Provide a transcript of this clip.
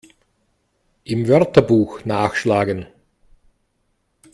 Im Wörterbuch nachschlagen!